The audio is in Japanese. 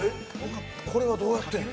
これはどうやってるの？